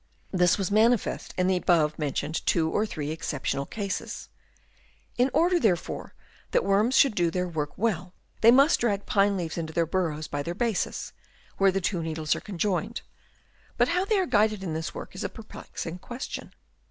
This was manifest in the above mentioned two or three excep tional cases. In order, therefore, that worms should do their work well, they must drag pine leaves into their burrows by their bases, where the two needles are conjoined. But how they are guided in this work is a per plexing question.